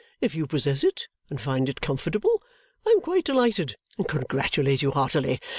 If you possess it and find it comfortable, I am quite delighted and congratulate you heartily.